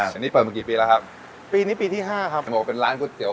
อันนี้เปิดมากี่ปีแล้วครับปีนี้ปีที่ห้าครับโอ้โหเป็นร้านก๋วเตี๋ย